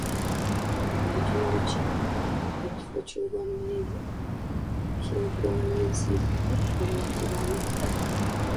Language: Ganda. Mu kitundu kyabwe, ekifo Ky'obwa meeya kyegwanyizibwa abantu bana.